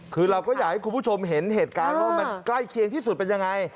คือเราก็อยากให้คุณผู้ชมเห็นเหตุการณ์ว่ามันใกล้เคียงที่สุดเป็นยังไง